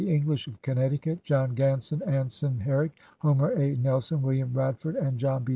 English of Connecticut; John Ganson, Anson Herrick, Homer A. Nelson, William Radford, and John B.